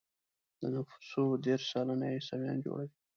د نفوسو دېرش سلنه يې عیسویان جوړوي.